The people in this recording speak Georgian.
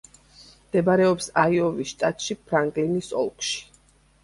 მდებარეობს აიოვის შტატში, ფრანკლინის ოლქში.